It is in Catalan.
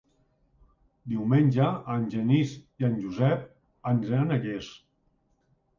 Diumenge en Genís i en Josep aniran a Llers.